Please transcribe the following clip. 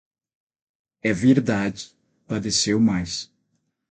É verdade, padeceu mais.